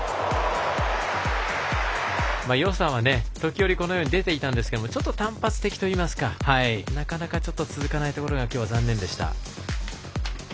よさは時折出ていたんですがちょっと単発的といいますかなかなか続かないところが今日は残念でした。